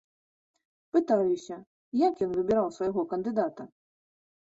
Пытаюся, як ён выбіраў свайго кандыдата?